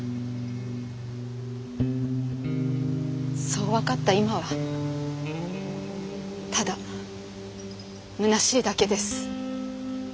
そう分かった今はただむなしいだけです。